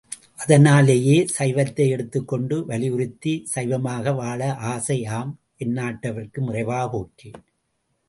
அதனாலேயே சைவத்தை எடுத்துக்கொண்டு வலியுறுத்தி, சைவமாக வாழ ஆசை ஆம் எந்நாட்டவர்க்கும் இறைவா பேற்றி?